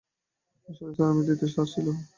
আসলে, স্যার, আমি দ্বিতীয় সেরা ছিলাম।